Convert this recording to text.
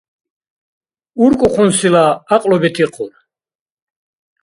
УркӀухъунсила гӀякьлу бетихъур.